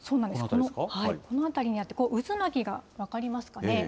この辺りにあって、渦巻きが分かりますかね？